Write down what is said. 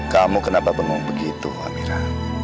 kamu kenapa bingung begitu amira